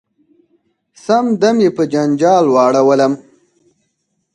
سم دم یې په جنجال واړولم .